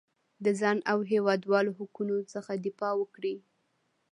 د ځان او هېوادوالو حقونو څخه دفاع وکړي.